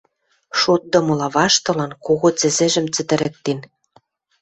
шотдымыла ваштылын, кого цӹзӹжӹм цӹтӹрӹктен.